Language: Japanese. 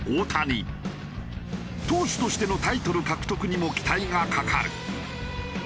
投手としてのタイトル獲得にも期待がかかる。